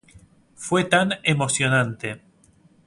Fue tan emocionante.